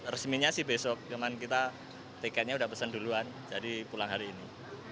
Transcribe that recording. resminya sih besok kemarin kita tiketnya sudah pesan duluan jadi pulang hari ini